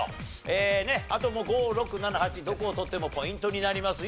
えーあともう５６７８どこを取ってもポイントになります。